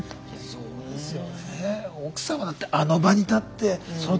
そうですよ。